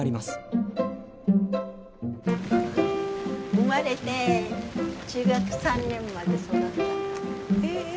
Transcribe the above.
生まれて中学３年まで育った家。